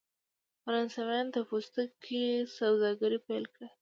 فرانسویانو د پوستکي سوداګري پیل کړه.